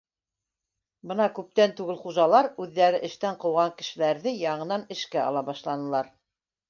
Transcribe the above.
Бына күптән түгел хужалар үҙҙәре эштән ҡыуған кешеләрҙе яңынан эшкә ала башланылар.